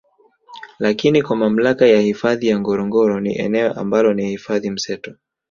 Lakini kwa mamlaka ya hifadhi ya Ngorongoro ni eneo ambalo ni hifadhi mseto